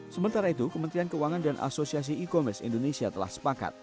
sementara itu kementerian keuangan dan asosiasi e commerce indonesia telah sepakat